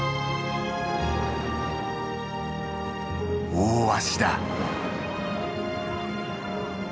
オオワシだ。